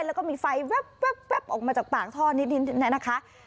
แล้วก็มีไฟแว๊บออกมาจากปากท่อนิดนะคะ